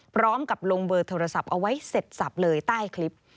พร้อมกับลงเบอร์โทรศัพท์เอาไว้เสร็จสับเลยใต้คลิป